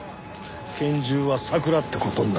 拳銃はサクラって事になるな。